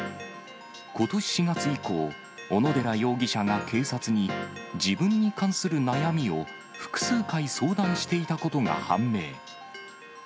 ことし４月以降、小野寺容疑者が警察に、自分に関する悩みを複数回相談していたことが判明。